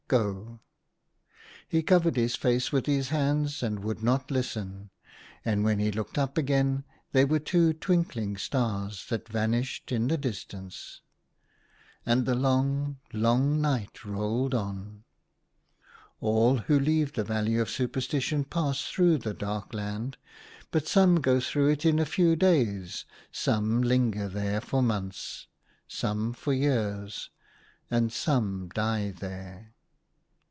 Go !" He covered his face with his hands and would not listen ; and when he looked up again they were two twink ling stars, that vanished in the distance. And the long, long night rolled on. All who leave the valley of supersti tion pass through that dark land ; but some go through it in a few days, some 42 THE HUNTER. linger there for months, some for years, and some die there.